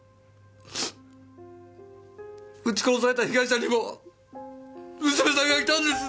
撃ち殺された被害者にも娘さんがいたんです！